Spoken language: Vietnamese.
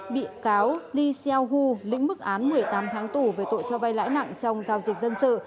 bị cáo li seou lĩnh mức án một mươi tám tháng tù về tội cho vay lãi nặng trong giao dịch dân sự